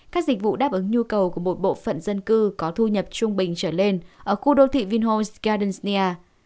các dịch vụ đáp ứng nhu cầu của một bộ phận dân cư có thu nhập trung bình trở lên ở khu đô thị vinhos gardenia